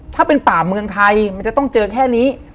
ถ้าเป็นป่าเมืองไทยมันจะต้องเจอแค่นี้